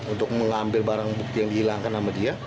untuk mengambil barang bukti yang dihilangkan sama dia